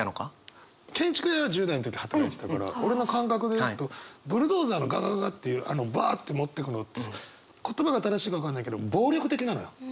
建築屋で１０代の時働いてたから俺の感覚で言うとブルドーザーのガガガガっていうあのバアって持ってくのって言葉が正しいか分からないけど暴力的なのよ。